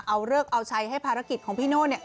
เอาเลิกเอาใช้ให้ภารกิจของพี่โน่เนี่ย